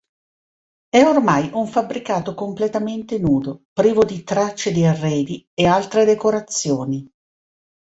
È ormai un fabbricato completamente nudo, privo di tracce di arredi e altre decorazioni.